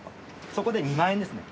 そこで２万円ですね。